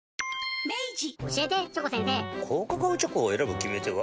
高カカオチョコを選ぶ決め手は？